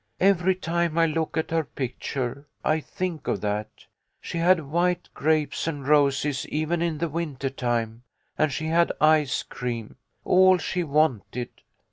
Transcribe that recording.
Every time I look at her picture, I think of that. She had white grapes and roses even in the winter time, and she had ice cream ! All she wanted.